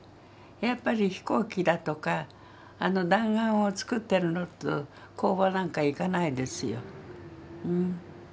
やっぱり飛行機だとか弾丸をつくってるのと工場なんか行かないですよ。